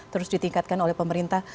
terus ditingkatkan oleh pemerintah